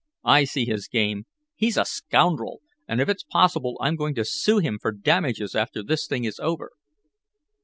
I see his game. He's a scoundrel, and if it's possible I'm going to sue him for damages after this thing is over."